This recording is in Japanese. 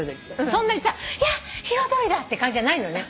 そんなにさヒヨドリだ！って感じじゃないのよね。